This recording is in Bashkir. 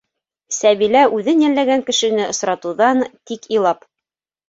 Сәбилә үҙен йәлләгән кешене осратыуҙан тик илап